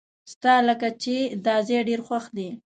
ستالکه چې داځای ډیر خوښ دی .